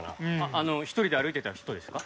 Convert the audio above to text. あの１人で歩いてた人ですか？